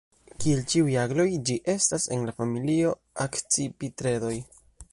Kiel ĉiuj agloj, ĝi estas en la familio de Akcipitredoj.